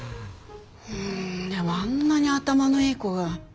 でもあんなに頭のいい子が。